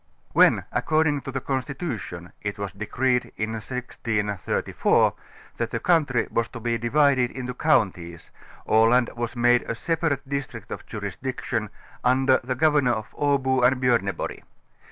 When according to the constitution it was decreed in 1634 that the country was to be divided into counties, Aland was made a separate district of jurisdiction under the go vernor of Abo and Bjorneborg.